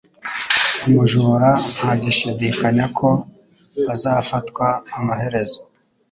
Umujura nta gushidikanya ko azafatwa amaherezo